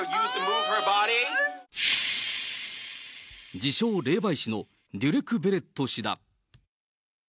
自称霊媒師のデュレク・レベット氏だ。